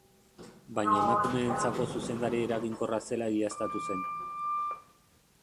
Baina emakumeentzako zuzendari eraginkorra zela egiaztatu zen.